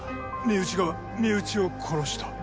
身内が身内を殺した？